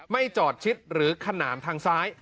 จอดชิดหรือขนานทางซ้าย